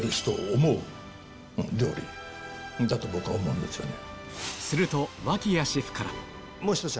僕は思うんですよね。